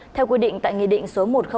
theo quy định tại nghị định số một trăm linh